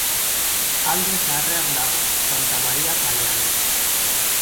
Alde Zaharrean dago, Santa Maria kalean.